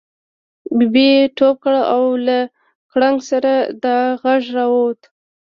ببۍ ټوپ کړه او له کړنګ سره دا غږ را ووت.